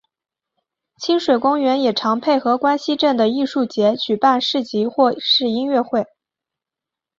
亲水公园也常配合关西镇的艺术节举办市集或是音乐会。